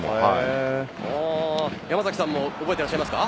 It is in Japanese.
山崎さんも覚えてらっしゃいますか？